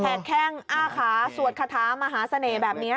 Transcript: แข้งอ้าขาสวดคาถามหาเสน่ห์แบบนี้